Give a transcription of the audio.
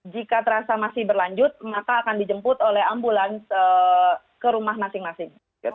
jika terasa masih berlanjut maka akan dijemput oleh ambulans ke rumah masing masing